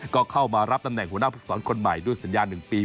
ก็เข้ามารับตำแหน่งหัวหน้าภูมิสอนคนใหม่ด้วยสัญญา๑ปี